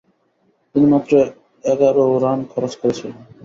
তিনি মাত্র এগারো রান খরচ করেছিলেন।